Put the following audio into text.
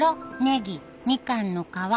ネギみかんの皮。